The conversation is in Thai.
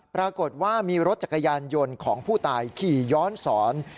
ปรากฏว่ามีรถจักรยานยนต์ของผู้ตายขี่ย้อนสอน